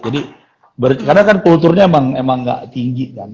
jadi karena kan kulturnya emang ga tinggi kan